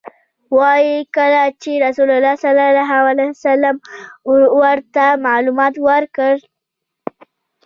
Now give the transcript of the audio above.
وایي کله چې رسول الله صلی الله علیه وسلم ورته معلومات ورکړل.